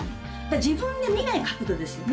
自分で見ない角度ですよね。